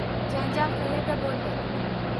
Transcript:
- Janjal qayerda bo'ldi?